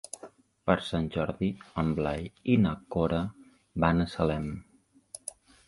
Per Sant Jordi en Blai i na Cora van a Salem.